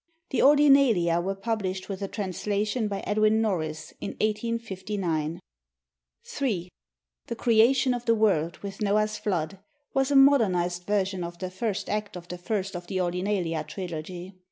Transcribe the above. The 'Ordinalia' were published with a translation by Edwin Norris in 1859. 3. The Creation of the World, with Noah's Flood, was a modernized version of the first act of the first of the 'Ordinalia' trilogy.